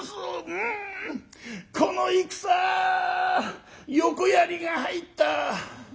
「うんこの戦横槍が入った」。